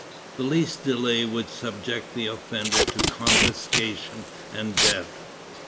The least delay would subject the offender to confiscation and death.